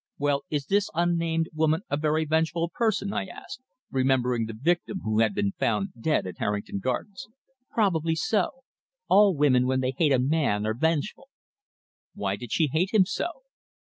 "Well, is this unnamed woman a very vengeful person?" I asked, remembering the victim who had been found dead at Harrington Gardens. "Probably so. All women, when they hate a man, are vengeful." "Why did she hate him so?"